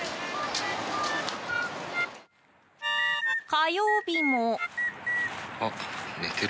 火曜日も。